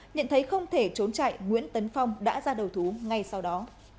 nhận thấy không thể trốn chạy nguyễn tấn phong đã ra đầu thú ngay sau đó